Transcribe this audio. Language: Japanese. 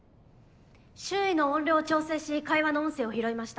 周囲の音量を調整し会話の音声を拾いました。